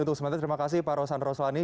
untuk sementara terima kasih pak rosan roslani